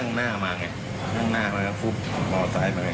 ทั้งหน้ามาก็ฟุ๊บออเตอร์ไซด์ไปไหน